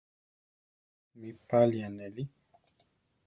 ¿Mi páli anéli?